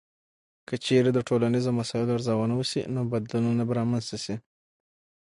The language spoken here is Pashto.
که چیرې د ټولنیزو مسایلو ارزونه وسي، نو بدلونونه به رامنځته سي.